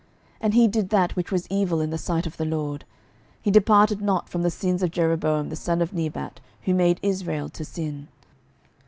12:015:028 And he did that which was evil in the sight of the LORD: he departed not from the sins of Jeroboam the son of Nebat, who made Israel to sin.